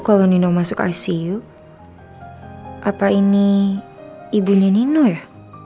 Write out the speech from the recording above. kalau nino masuk icu apa ini ibunya nino ya